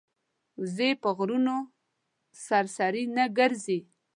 وزې پر غرونو سرسري نه ګرځي